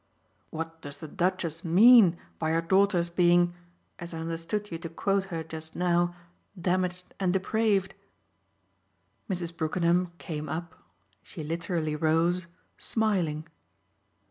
"What does the Duchess mean by your daughter's being as I understood you to quote her just now 'damaged and depraved'?" Mrs. Brookenham came up she literally rose smiling.